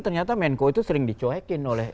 ternyata menko itu sering dicuekin oleh